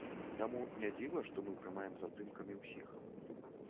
Таму не дзіва, што мы прымаем з абдымкамі ўсіх.